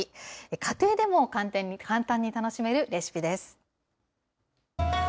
家庭でも簡単に楽しめるレシピです。